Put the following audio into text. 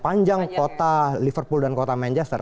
panjang kota liverpool dan kota manchester